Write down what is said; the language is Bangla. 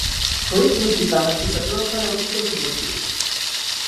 শরীফ মসজিদ বাংলাদেশের চট্টগ্রাম শহরে অবস্থিত একটি মসজিদ।